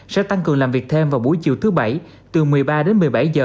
sẽ tăng cường làm việc thêm vào buổi chiều thứ bảy từ một mươi ba đến một mươi bảy giờ